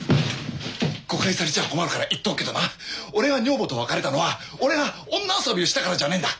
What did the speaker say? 誤解されちゃ困るから言っとくけどな俺が女房と別れたのは俺が女遊びをしたからじゃねえんだ